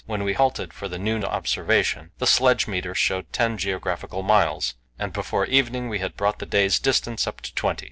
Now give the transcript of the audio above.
When we halted for the noon observation the sledge meter showed ten geographical miles, and before evening we had brought the day's distance up to twenty.